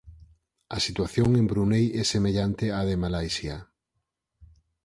A situación en Brunei é semellante á de Malaisia.